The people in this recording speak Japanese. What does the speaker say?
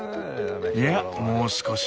いやもう少し。